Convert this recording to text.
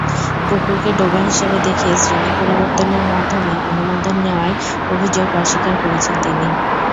পুকুরকে ডোবা হিসেবে দেখিয়ে শ্রেণি পরিবর্তনের মাধ্যমে অনুমোদন নেওয়ার অভিযোগ অস্বীকার করেছেন তিনি।